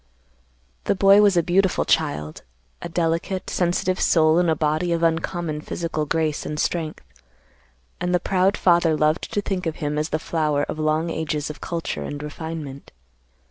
"The boy was a beautiful child, a delicate, sensitive soul in a body of uncommon physical grace and strength, and the proud father loved to think of him as the flower of long ages of culture and refinement.